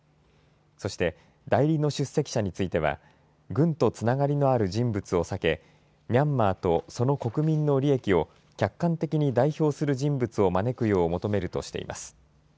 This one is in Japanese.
そして代理の出席者については軍とつながりのある人物を避けミャンマーとその国民の利益を客観的に代表する人物を招くよう求めるとしています。